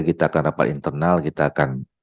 kita akan rapat internal kita akan